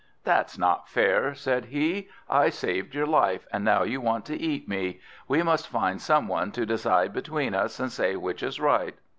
"That's not fair," said he; "I saved your life, and now you want to eat me. We must find some one to decide between us, and say which is right."